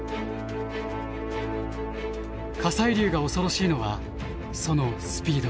火砕流が恐ろしいのはその「スピード」。